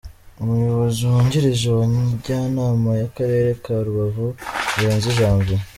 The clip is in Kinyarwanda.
Umuyobozi wungirije wa Njyanama y’akarere ka Rubavu, Murenzi Janvier.